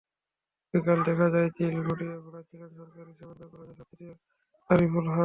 বিকেলে দেখা যায়, চিল ঘুড়ি ওড়াচ্ছিলেন সরকারি দেবেন্দ্র কলেজের ছাত্র আরিফুল হক।